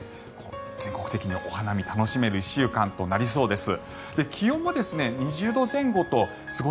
全国的にお花見が楽しめる１週間となりそうです。